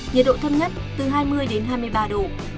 nhiệt độ thấp nhất từ hai mươi đến hai mươi ba độ